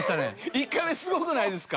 １回目すごくないですか？